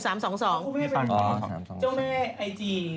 เจ้าแม่ไอจี